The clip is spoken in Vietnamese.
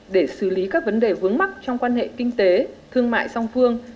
để xử lý các vấn đề vướng mắc trong quan hệ kinh tế thương mại song phương